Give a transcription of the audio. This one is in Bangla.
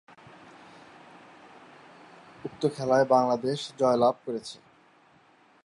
এটি বৃহত্তর জনসংখ্যাকে সমর্থন করেছিল এবং সংস্কৃতিকে সমৃদ্ধ করতে সক্ষম করেছিল।